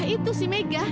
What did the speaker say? itu si mega